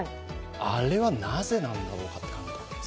あれはなぜなんだろうかと考えています。